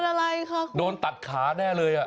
อาจตัดขาแน่เลย